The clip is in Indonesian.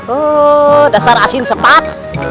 oh dasar asin sepat